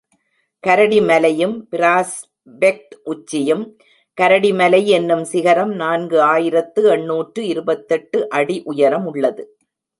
கரடிமலையும் prospect உச்சியும் கரடிமலை என்னும் சிகரம் நான்கு ஆயிரத்து எண்ணூற்று இருபத்தெட்டு அடி உயரமுள்ளது.